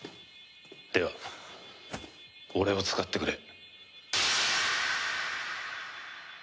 では俺を使ってくれ。